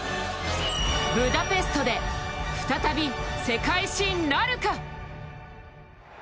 ブダペストで再び世界新なるか！？